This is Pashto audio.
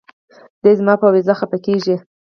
دے زما پۀ وېزه خفه کيږي